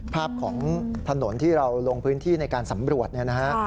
ภาพของถนนที่เราลงพื้นที่ในการสำรวจเนี่ยนะฮะ